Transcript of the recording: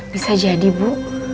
bisa jadi bu